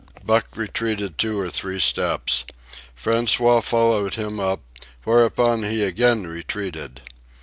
Buck retreated two or three steps. François followed him up, whereupon he again retreated.